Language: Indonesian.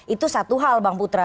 itu satu hal bang putra